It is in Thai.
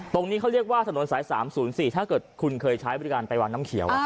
ตรงนี้เขาเรียกว่าถนนสาย๓๐๔ถ้าเกิดคุณเคยใช้บริการไปวางน้ำเขียว